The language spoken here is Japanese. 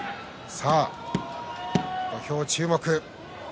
土俵、注目。